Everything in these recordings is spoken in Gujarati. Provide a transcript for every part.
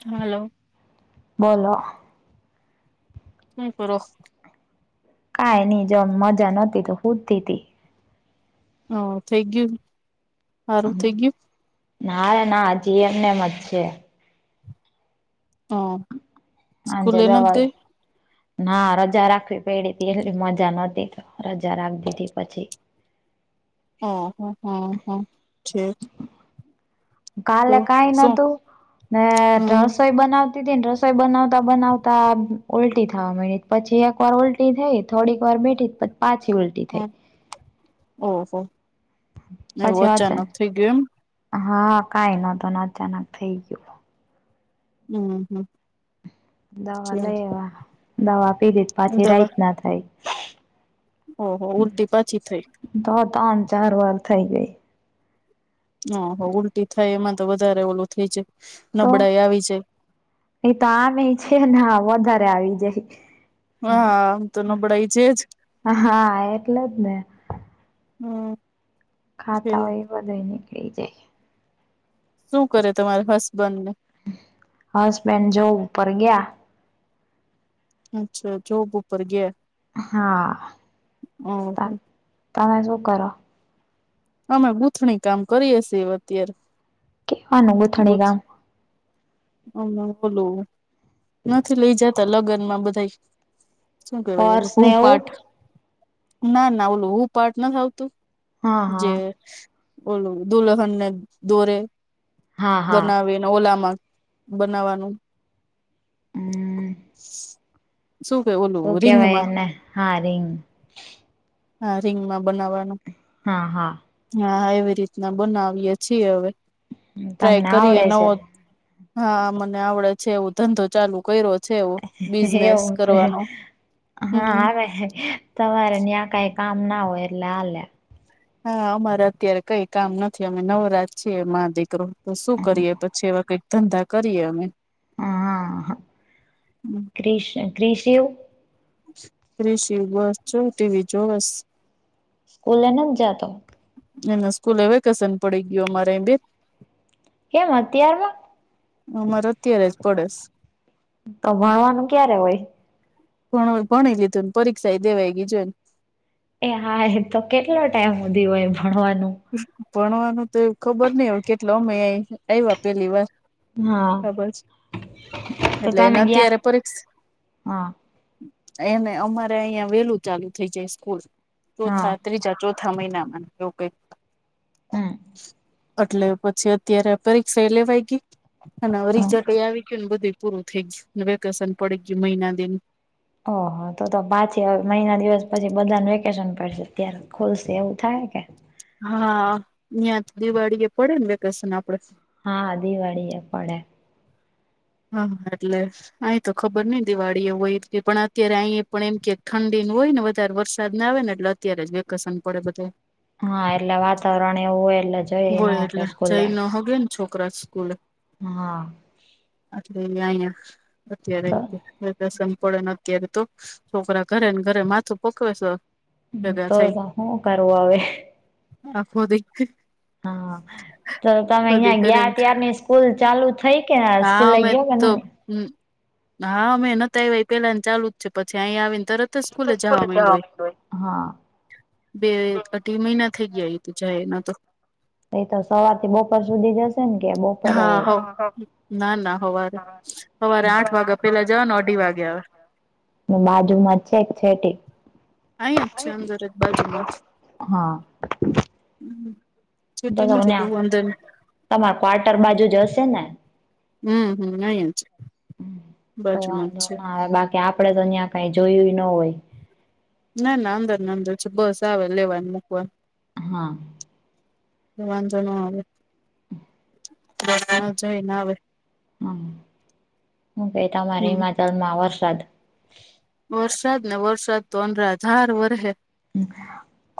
હલો. બોલો. હુ કરો? કાઈ ની જો મજા નતી તો હુતીતી. હ થય ગ્યુ હારું થ્ય ગ્યુ? નારે ના હજી એમનેમ જ છે. હો હાંજે દવા લ ના રજા રાખવી પયડીતી એલી મજા નતી તો રજા રાખ દીધી થી પછી. હ હ હા હા છે. કાલે કાઈ શું નતું ને હમ રસોઈ બનાવ તીતી ને રસોઈ બનાવતા બનાવતા ઉલટી થાવા મયડી પછી એક વાર ઉલટી થઈ થોડીક વાર બેઠી પછ પાછી ઉલ્ હમ્મ ઓ.. હો! પાછી અચાનક ગયું હા કંઈ નોતુ ને અચાનક થઇ ગ્યું. હમ્મ હમ્મ. દવા લઈ આયવા દવા પીધી તો પાછી દવા રાઈત ના થાય. ઓહો ઉલટી પાછી થઈ. તો ત્રણ ચાર વાર થઇ ગઈ. હહ ઉલટી થાય એમાં તો વધારે ઓલું થઈ જાય તો નબળાઈ આવી જાય. એ તો આમ એ છે ને અ વધારે આવી જાય. હા આમ તો નબળાઈ છે જ હા એટલે જ ને. હમ છે. બધો નીકળી જાય. શું કરે તમારે હસબેન્ડ ને. હસબેન્ડ જોબ ઉપર ગયા. અચ્છા જોબ ઉપર ગયા. હા ઓહો તા તમે શું કરો? અમે ગૂંથણી કામ કરીએ છે અત્યારે. કેવાનું ગુંથણી કામ. [unintelligible] બોલો. નથી લઇ જતા લગ્ન માં બધાય શું કેહેવાય ઓલો પર્સ ને ઉ એવું પાઠ. ના ના ઓલું ઉ પાર્ટ નથી આવતું હા જે હા ઓલું દુલ્હન ને દોરે હા હા બનાવે ને ઓલા માં બનાવાનું. હમ શું કે ઓલું શું રિંગ કેવાય માં. એને હા રીંગ હા રિંગ માં બનાવવાનું. હા હા. હા એવી રીતના બનાવીએ છીએ હવે. ટ્રાય તમને કરીએ આવડે છે નવો હા મને આવડે છે એવું ધંધો ચાલુ કર્યો. છે એવો બિઝનેસ એવું છે કરવાનો હા હમ આવે છે. તમારે ન્યા કાઈ કામ ના હોય એટલે હાલે. હા અમારે અત્યારે કઈ કામ નથી અમે નવરા જ છીએ માં દીકરો. તો શું કરીએ પછી એવા કંઈક ધંધા કરીએ અમે. હા હા હા ગ્રીશ ગ્રી્શ એવો. ગ્રીશિવ બસ જો ટીવી જોવસ. સ્કુલે નઈ જાતો? એને સ્કૂલે વેકેશન પડી ગયો મારે બે કેમ અત્યારે? અમારે અત્યારે જ પડેસ. તો ભણવાનું ક્યારે હોય? ભણવાનું ભણી લીધું ને પરિક્ષાય દેવાય ગઈ જે એ હા એ તો કેટલો ટાઈમ હુધી હોય ભણવાનું? ભણવાનું તો ખબર નહિ હવે કેટલા અમે આવ્યા પેલી વાર. હા ખબર છે તો એટલે એને તમે ગયા અત્યારે પરીક્ષ હા એને અમારે અહિયાં વેલું ચાલુ થઇ જાય સ્કૂલ હા ચોથા ત્રીજા ચોથા થા મહિના માં એવું કઈ હમ એટલે પછી અત્યારે પરીક્ષાએ લેવાય ગયી. અને હવે હમ રીજટ એ આવી ગયુ ને બધું પૂરું થઈ ગયું વેકેશન પડી ગયું મહિના દિ નુ ઓહ તો તો પાચે હવે મહિના દિવસ પછી બધાને વેકેશન પડશે ત્યારે ખુલશે એવું થાય કે? હા અય્યા દિવાળી એ પડયું ને વેકેશન આપડે. હા દિવાળી એ પડે. હા એટલે. અહી તો ખબર નઈ દિવાળીઓ હોય એ પણ અત્યારે અહી પણ એમ કે ઠંડી ન હોય ને અત્યારે વરસાદ ના આવે ને એટલે અત્યારે જ વેકેશન પડે બધે હા એટલે વાતાવરણ એવું હોય એટલે જઈ ન હોય હકે એટલે સ્કૂલે જઈ ન હગે ને છોકરા સ્કૂલે હા. એટલે અહિયા અહિયા અત્યારે તો યતે. વેકેશન પડે ને અત્યારે તો છોકરા ઘરે ને ઘરે માથું પકવે છે. હ ભેગા તો થઈ હું કરવુ હવે. આખો દી હા તો તમે બધી ત્યા ઘરે ગયા ને ત્યારની સ્કૂલ ચાલુ થઈ કે આ હા સ્કૂલે અમે ગયો કે તો નહિ હમ હા અમે નતા આવ્યા એ પેલાનુ ચાલુ જ છે પછી અયા આવીને તરત જ સ્કૂલે જાવા માંડો હોય. હા બે અઢી મહિના થઈ ગયા ઈ તો જાય એના તો એ તો સવાર થી બપોર સુધી જશે ને કે બો [inaudible] હા હો ના ના હવારે સવારે આઠ વાગ્યા પેલા જવાનું અઢી વાગે આવે બાજુ માં છે છેક છેટી અહીંયા જ છે અંદરજ બાજુમાં હા. છેટી નથી બહુ અંદર તમારા ક્વાર્ટર બાજુ જશે ને હમ હમ નયજ તો વાંધો ના આવે બાકી આપડે તો ન્યા કાઈ જોયું ય ન હોય ના ના અંદર ને અંદર છે બસ આવે લેવાને મૂકવા હા. વાંધો નો આવે [inaudible] હા હું બેઠા હમ [unintelligible] ત મા વરસાદ વરસાદ ને વરસાદ તો અંદરાધાર વરે હે.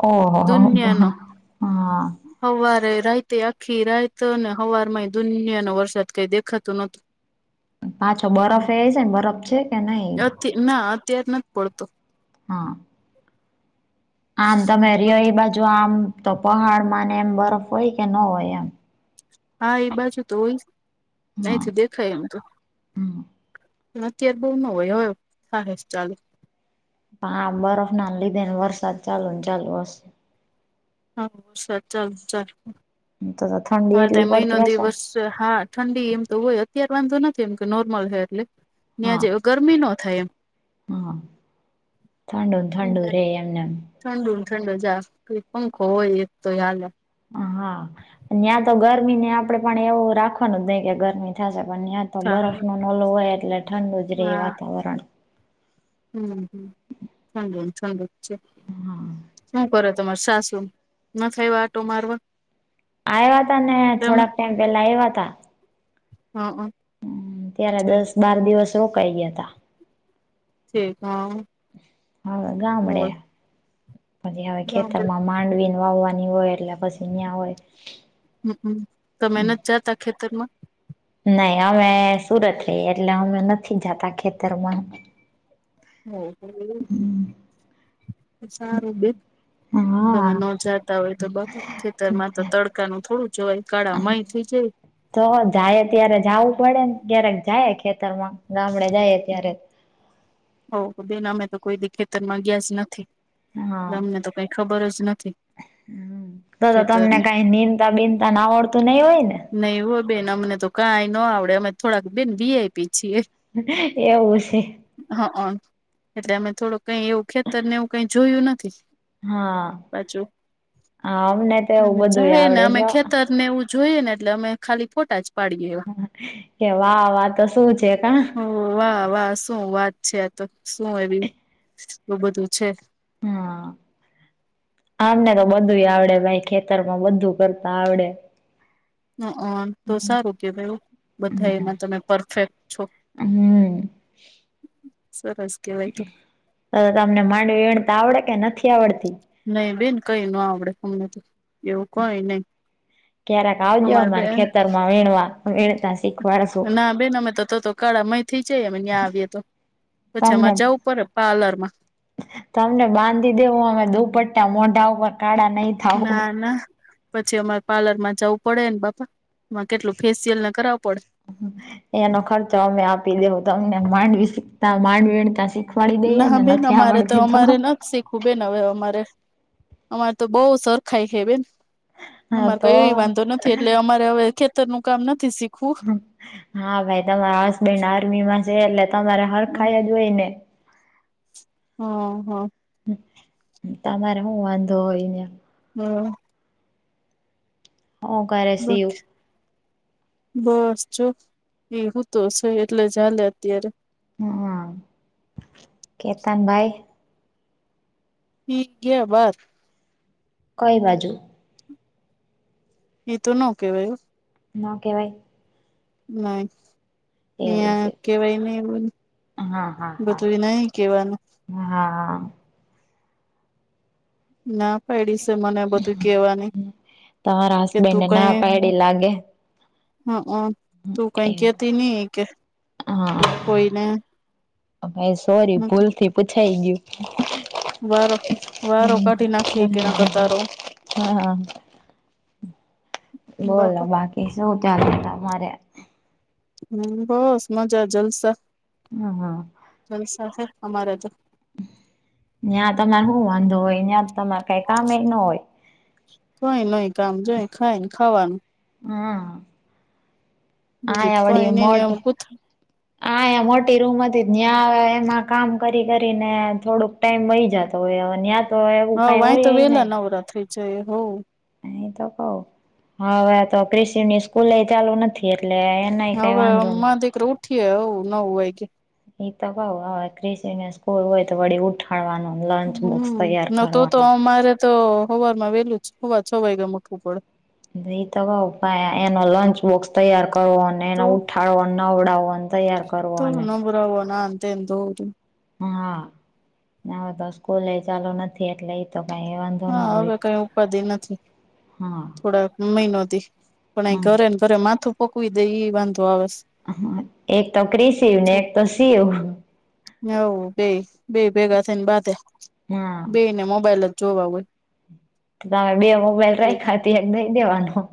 ઓહ હો હો. હવારે રાઈતે આખી રાતને હવાર માંય દુનિયા નો વરસાદ કઈ દેખાતું નોતુ પાછો બરફ એ છે ને બરફ છે. કે નહી નથી ના અત્યાર નથ પડતો. હા. આમ તમે રિયો એ બાજુ આમ તો પહાડમાંને એમ બરફ હોય કે ન હોય એમ હા એ બાજુ તો હોય હા અહીથી દેખાય એમ તો હમ અત્યારે બહુ ન હોય હવે કરે છે ચાલુ હા બરફ ના લીધે વરસાદ ચાલુ ને ચાલુ હસે [unintelligible] તો તો ઠંડી હવે ત એટલી મહિનો પડતી હશે ને દિવસ હા, ઠંડી એમ તો હોય, અત્યારે વાંધો નથી એમ તો નોર્મલ હે એટલે ત્યાં હા જેે ગરમી નો થાય એમ હા, થંડુ ને થંડુ રે એમનેમ ઠંડુ ને ઠંડૂ જ હા એક પંખો હોય એક તોએ હાલે હા, ન્યા તો ગરમી ને આપડે પણ એવું રાખવાનું જ નહી કે ગરમી થાશે પણ્ ન્યા હા બરફ નો ને ઓલુ હોય એટલે ઠંડુ જ રહે વાતાવરણ. હમ્મ, હમ્મ ઠંડુ ને ઠંડુ જ છે. હુ કરે તમારા સાસુ, નથી આવ્યા આટો મારવા? આવ્યા તા ને તમે થોડાક ટાઈમ પેલા આવ્યા તા હા. હમ્મ, ત્યારે દસ બાર દિવસ રોકાઈ ગયાતા. ઠીક હ હવે ગામડે. હોય પછી હવે ખેતર ગામડે માં માંડવીને વાવવાની હોય એટલે પછી ન્યાં હોય. હમ્મ, તમે નથ જાતા ખેતરમાં? નહી, અમે સુરત રઈએ એટલે અમે નથી જાતા ખેતરમાં હા, એવું સારું બેન તમે હા ન જાતા હોય તો બાપા ખેતરમાં તો તડકાનું થોડું જોવાય કાળા મય થઈ જાય. તો જાય ત્યારે જાવું પડે ને ક્યારેક જાય ખેતરમાં ગામડે જાય ત્યારે હો બેન અમે તો કોઈ દી ખેતરમાં ગયા જ નથી. હા, એટલે અમને તો કઈ ખબર જ નથી. તો તો તમને ખેતરની કઈ નિંદ તા બિનતા ના આવડતું નહી હોય ને? નહી હો બેન અમને તો કાંઈ ન આવડે અમે થોડાક બેન વીઆઈપી છીએ. એવું છે. હા, એટલે અમે થોડું કઈ એવું ખેતરને એવું કઈ જોયું નથી. હા પાછુ હા અમને તો એવું બધું જહે ને આવડે અમે છે. ખેતર ને એવું જોઈએ ને એટલે અમે ખાલી ફોટા જ પાડીએ એવા. કે વાહ વાહ આતો શું છે કા ઓ વાહ વાહ શું વાત છે આતો શું એવી, એવું બધું છે. હા, આમને તો બધું આવડે ભાઈ ખેત તરમાં બધું કરતા આવડે. તો સારું કેવાય એવું બધા એમાં તમે પરફેક્ટ છો. હમ્મ. સરસ. કેવાય તો હમ્મ, તમને માંડવી એડતા આવડે કે નથી આવડતી? નઈ બેન કઈ ન આવડે અમને તો, એવું કઈ નઈ. ક્યારેક આવજો અમારે ખેતરમાં વીણવા, વણતા છે. ના બેન અમે તો તો તો કાળા મઈ થઈ જઈ અમે ત્યાં આવીએ તો પછી તમને આમાંરે જવું પડે પાર્લરમાં તમને બાંધી દેવું અમે દુપટ્ટા મોઢા ઉપર કાળા નઈ ના ના પછી અમારે પ્લરમાં જવું પડે ને બાપા એમાં કેટલું ફેસિયલ ને કરાવવું પડે. એનો ખર્ચો અમે આપી દેહુ તમને માંડવી શીખતા માંડ વીણતા શીખ ખવાડી દઈએ ને નથી આવડતી તો શીખું બેન હવે અમારે અમારે તો બહું સરખાઈ હે બેન હા અમારે તો કય વાંધો નથી એટલે અમારે હવે ખેતર નું કામ નથી શીખવું. હા ભાઈ તમારા હસબેન્ડ આર્મીમાં છે એટલે તમારે હરખાઈ જોઈ ને હ હ. તમારે હું વાંધો હોય ને [unintelligible] હું કરે શિવ [unintelligible] બસ જો એ હુતો તો છે એટલે ચાલે અત્યારે હ કેતાન ભાઈ [unintelligible] બાર કઈ બાજું. ઈ તો ન કેવાય [unintelligible] ન કેવાાઈ. નય એવું છે અહીંયા કેવાય નય એવું. હા હા બધું નઈ કેવાનું હા હા. ના પાયડી છે મને બધું કેવાની તમારા કે તું હસબેન્ડને કઈ [unintelligible] લાગે હ અ તું કઈ કે એવું લતી ની કે કોઈને હા ભાઈ સોરી નકર ભૂલથી પૂછાય વારો વારો કાઢી નાખી ગયું. કે ન કરતા રહું [unintelligible] [inaudible] બોલો બાપા બાકી શું ચાલે તમારે. હમ બસ મજા જલસા. હ હા. જલસા છેે અમારે તો. યાં તમારે હું વાંધો હોય યા તમારે કઈ કામ એય ના હોય. કઈ નય કામ જોય ખાયને ખાવાનું. હા. બીજું ત મોટ [unintelligible] આ મોટી રૂમ હતી યાં અવે એમાં કામ કરી કરીને થોડુંક ટાઈમ વઈ જતો હવે યા હવ અય તો વેલા નવરા થઈ જયે હવ. એ તો કવ હવે તો ક્રીશું ની સ્કૂલે ચાલુ નથી એટલે એનાય કઈ હવે વાંધો ન મારો દીકરો ઉઠીએ હવ નવ વાગે. ઈ તો કઉ હવે ક્રિશુ સ્કુલ હોય તો વળી ઉઠ હમ ન તો તો અમારે તો હવારમાં વેલું જ હવા છ વાગે ઊઠવું પડે. ઈ તો કઉ એનો લંચ બોક્સ તૈયાર કરવો એને તો ઉઠાડવા નવડાવો ને તૈયાર કરવો તો અને [unintelligible] હા હવે તો સ્કૂલે ચાલુ નથી એટલે [unintelligible] હા હવે કઈ ઉપાધિ નથી હા થોડાક [unintelligible] પણ અહી ઘરે ને હમ ઘરે માથું પકવી દે એ વાંધો આવે સ હ એક તો ક્રિશિવ ને એક તો શિવ. હવ બે બે ભેગા થઈને બાધે હા બેને મોબાઈલ જ જોવા હોય. તાર બે મોબાઈલ રાખ્યા તો એક દઈ દેવાનું.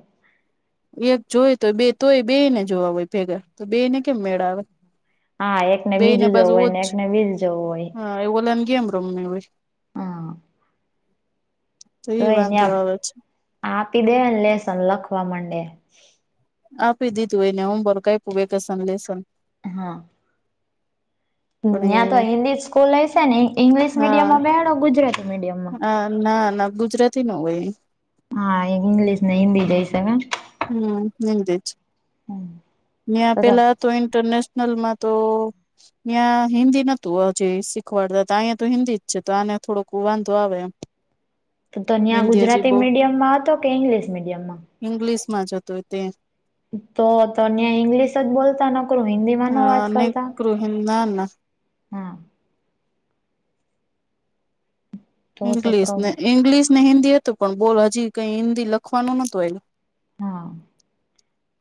એક જોય તોય બે તોય બે ને જોવા હોય ભેગા બે ને કેમ મેળ આવે? હા એકને બે ને બીજું જોવું પાછું હોય ઓજ ને એકને બીજુ જોવું હોય. હા ઓલા ને ગમે રમવી હોય. હા તો એ એને વાંધો આવે છે આપી દે ને લેસન લખવા માંડે. આપી દીધું એને હોમવર્ક આપ્યું વેકેશન લેસન. હા ન્યા પણ તો એ હિન્દી સ્કૂલ હશે ને ઇંગ્લિશ મીડિયમમા બેહાડયો કે ગુજરાતી મીડિયમમાં? હ ના ના ગુજરાતી નો હોય. હા ઈંગ્લિશ ને હિન્દી જ હશે નઈ. હમ હિન્દી જ ન્યા પેલા તો ઇન્ટરનેશનલમાં તો ન્યા હિન્દી નતું અજે શીખવાડતા હતા. અહીંયા તો હિન્દી જ છે તો, આને થોડોક વાંધો આવે એમ. [inaudible] તો ન્યા હિન્દી હજી ગુજરાતી બહુ મીડિયમાં હતો કે ઇંગ્લિશ મીડિયમાં? ઈંગ્લિશમાં જ હતો તે. તો તો ન્યા ઈંગ્લિશ જ બોલતા નકરું હિન્દી માં નો હા વાત ને કરતા? ના ના [unintelligible] તો તો ઇંગ્લિશ ને પ્રોબ્લેમ ઈંગ્લિશ ને હિન્દી હતું પણ બોલ હજી કઈ હિન્દી લખવાનું નહોતું આવ્યું. હા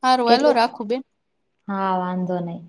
હારું હાલો કેટલા રાખું બેન હા વાંધો નહી.